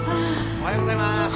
・おはようございます。